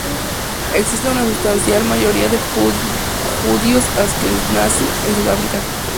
Existe una sustancial mayoría de judíos askenazí en Sudáfrica.